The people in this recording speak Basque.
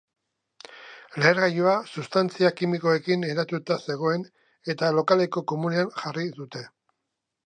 Lehergailua substantzia kimikoekin eratuta zegoen eta lokaleko komunean jarri dute.